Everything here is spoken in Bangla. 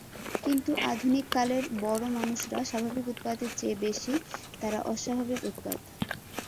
কিন্তু, আধুনিক কালের বড়োমানুষরা স্বাভাবিক উৎপাতের চেয়ে বেশি, তারা অস্বাভাবিক উৎপাত।